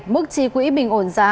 mức trí quỹ bình ổn giá